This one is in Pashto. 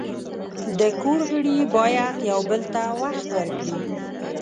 د کور غړي باید یو بل ته وخت ورکړي.